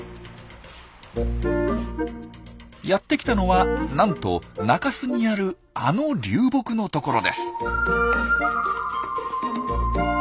やって来たのはなんと中州にあるあの流木の所です。